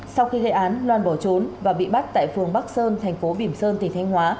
sau khi gây án loan bỏ trốn và bị bắt tại phường bắc sơn thành phố bìm sơn tỉnh thanh hóa